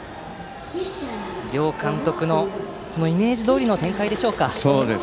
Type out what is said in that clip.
両監督のイメージどおりの展開でしょうか。